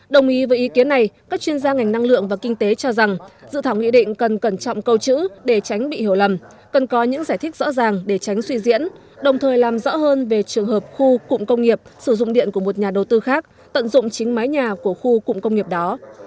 đồng ý với ý kiến này các chuyên gia ngành năng lượng và kinh tế cho rằng dự thảo nghị định cần cẩn trọng câu chữ để tránh bị hiểu lầm cần có những giải thích rõ ràng để tránh suy diễn đồng thời làm rõ hơn về trường hợp khu cụm công nghiệp sử dụng điện của một nhà đầu tư khác tận dụng chính mái nhà của khu cụm công nghiệp đó